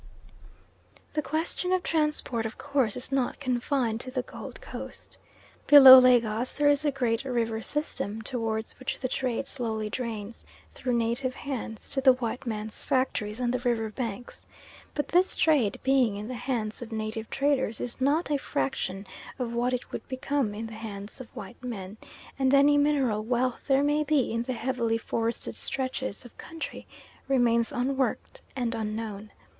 The question of transport of course is not confined to the Gold Coast. Below Lagos there is the great river system, towards which the trade slowly drains through native hands to the white man's factories on the river banks, but this trade being in the hands of native traders is not a fraction of what it would become in the hands of white men; and any mineral wealth there may be in the heavily forested stretches of country remains unworked and unknown.